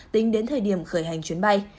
tính đến thời điểm khởi hành chuyến bay